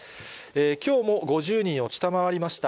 きょうも５０人を下回りました。